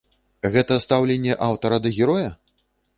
Гэта стаўленне аўтара да героя?